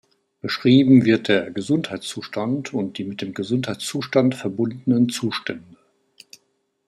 Beschrieben wird der "Gesundheitszustand" und die mit dem Gesundheitszustand verbundenen Zustände.